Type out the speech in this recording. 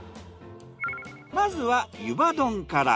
まずはゆば丼から。